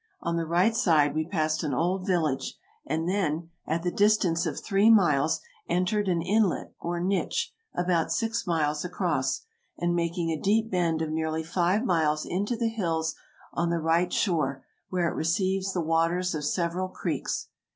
On the right side we passed an old village, and then, at the distance of three miles, entered an inlet or niche, about six miles across, and making a deep bend of nearly five miles into the hills on the right shore, where it receives the waters of several creeks.